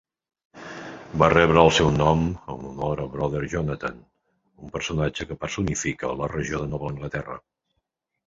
Va rebre el seu nom en honor a Brother Jonathan, un personatge que personifica la regió de Nova Anglaterra.